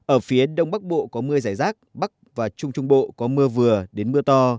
ở phía đông bắc bộ có mưa giải rác bắc và trung trung bộ có mưa vừa đến mưa to